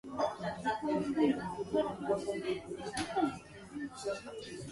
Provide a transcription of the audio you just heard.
All art is quite useless.